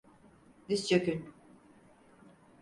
Diz çökün!